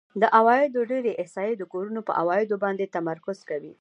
د عوایدو ډېری احصایې د کورونو په عوایدو باندې تمرکز کوي